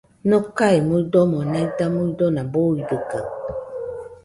Nocae muidomo naida muidona, buidɨkaɨ